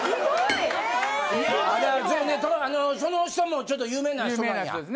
その人もちょっと有名な人なんや。